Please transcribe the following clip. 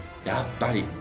やっぱり。